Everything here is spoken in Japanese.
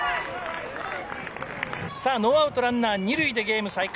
ノーアウトランナー２塁でゲーム再開